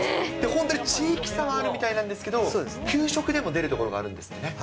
本当に地域差はあるみたいなんですけど、給食でも出る所があるんですってね。